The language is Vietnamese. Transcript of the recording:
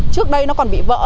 trước đây nó còn bị vỡ